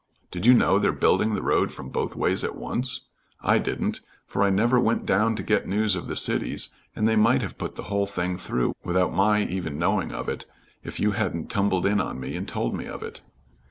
Did you know they're building the road from both ways at once? I didn't, for I never went down to get news of the cities, and they might have put the whole thing through without my even knowing of it, if you hadn't tumbled in on me and told me of it.